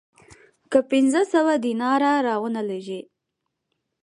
که پنځه سوه دیناره را ونه لېږې